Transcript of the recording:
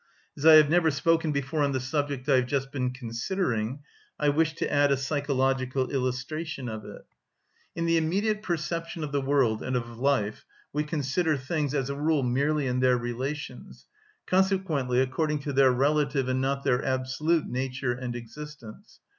As I have never spoken before on the subject I have just been considering, I wish to add a psychological illustration of it. In the immediate perception of the world and of life we consider things, as a rule, merely in their relations, consequently according to their relative and not their absolute nature and existence.